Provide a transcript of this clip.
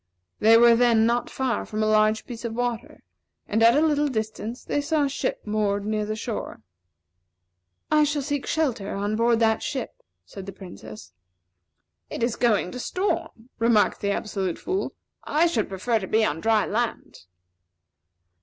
They were then not far from a large piece of water; and at a little distance, they saw a ship moored near the shore. "I shall seek shelter on board that ship," said the Princess. "It is going to storm," remarked the Absolute Fool. "I should prefer to be on dry land."